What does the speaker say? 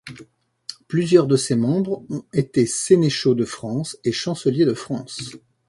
Plusieurs de ses membres ont été sénéchaux de France et chanceliers de France.